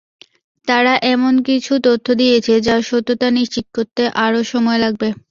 তারা এমন কিছু তথ্য দিয়েছে, যার সত্যতা নিশ্চিত করতে আরও সময় লাগবে।